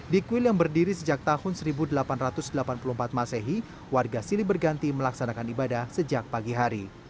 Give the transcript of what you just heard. di kuil yang berdiri sejak tahun seribu delapan ratus delapan puluh empat masehi warga silih berganti melaksanakan ibadah sejak pagi hari